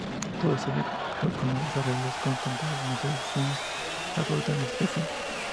Todos ellos, con nuevos arreglos, son cantados por Mercedes Funes, la protagonista del film.